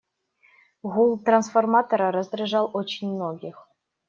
Гул трансформатора раздражал очень многих.